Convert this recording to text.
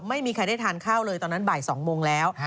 ไม่มีใครได้ทานข้าวเลยตอนนั้นบ่าย๒โมงแล้ว